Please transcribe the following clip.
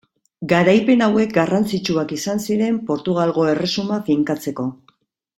Garaipen hauek garrantzitsuak izan ziren Portugalgo Erresuma finkatzeko.